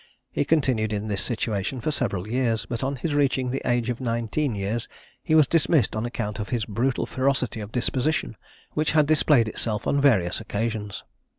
He continued in this situation for several years; but on his reaching the age of nineteen years, he was dismissed on account of his brutal ferocity of disposition, which had displayed itself on various occasions.